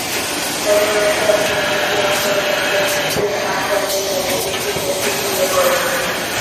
সাধারণত একজন অনুশীলনকারী তাদের মূর্তির আকারে তাদের ইষ্ট-দেবকে পূজা করেন।